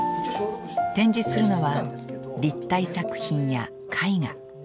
展示するのは立体作品や絵画。